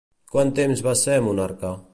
Quant temps va ser monarca?